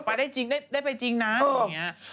ไปได้จริงได้ไปจริงนะอะไรอย่างนี้